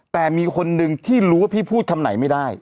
แต่มีคนหนึ่งที่รู้ว่าพี่พูดคำไหนไม่ได้